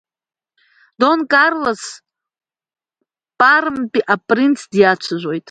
Дон Карлос пармтәи апринц диацәажәоит.